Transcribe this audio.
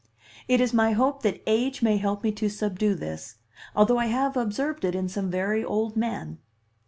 It is my hope that age may help me to subdue this, although I have observed it in some very old men.